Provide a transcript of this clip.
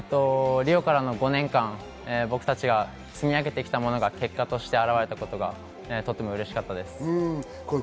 リオからの５年間、僕たちが積み上げてきたものが結果として表れたことが嬉しかったです。